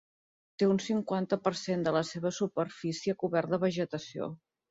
Té un cinquanta per cent de la seva superfície cobert per vegetació.